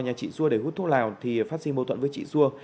nhà chị xua để hút thuốc lào thì phát sinh bầu thuận với chị xua